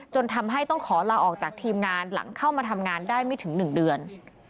ทำให้ต้องขอลาออกจากทีมงานหลังเข้ามาทำงานได้ไม่ถึง๑เดือน